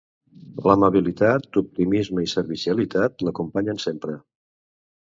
L'amabilitat, optimisme i servicialitat l'acompanyen sempre.